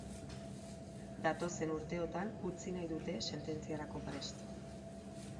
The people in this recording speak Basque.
Datozen orduotan utzi nahi dute sententziarako prest.